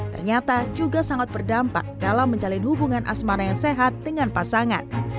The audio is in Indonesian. ternyata juga sangat berdampak dalam menjalin hubungan asmana yang sehat dengan pasangan